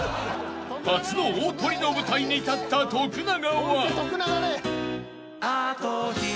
［初の大トリの舞台に立った徳永は］